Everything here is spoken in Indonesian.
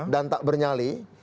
dan tak bernyali